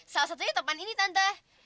salah satunya topan ini tanda